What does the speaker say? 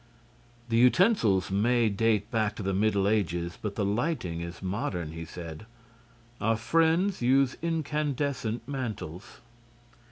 "The utensils may date back to the Middle Ages, but the lighting is modern," he said. "Our friends use incandescent mantles."